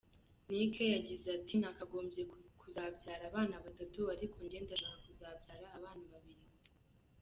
Nick yagize ati :« Nakagombye kuzabyara abana batatu, ariko njye ndashaka kuzabyara abana babiri gusa.